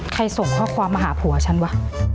ส่งข้อความมาหาผัวฉันวะ